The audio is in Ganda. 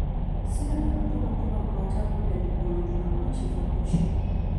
Sirabangako bako bakwata budde mu kwanjula oba kiva ku ki?